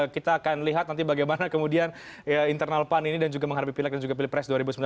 kita akan lihat nanti bagaimana kemudian internal pan ini dan juga mengharapi pilih pres dua ribu sembilan belas